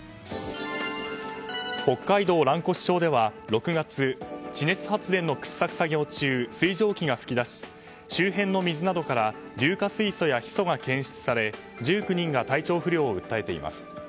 北海道蘭越町では６月地熱発電の掘削作業中水蒸気が噴き出し周辺の水などから硫化水素やヒ素が検出され１９人が体調不良を訴えています。